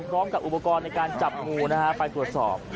พร้อมกับอุปกรณ์ในการจับงูนะฮะไปตรวจสอบ